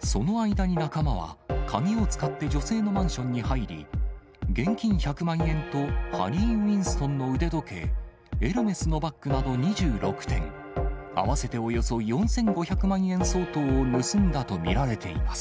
その間に仲間は、鍵を使って女性のマンションに入り、現金１００万円と、ハリー・ウィンストンの腕時計、エルメスのバッグなど２６点、合わせておよそ４５００万円相当を盗んだと見られています。